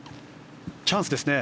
チャンスですね。